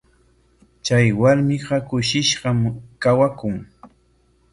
Chay warmiqa kushishqam kawakun.